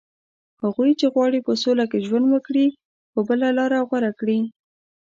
هغوی چې غواړي په سوله کې ژوند وکړي، به بله لاره غوره کړي